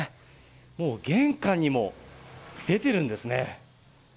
もう玄関にも出てるんですね。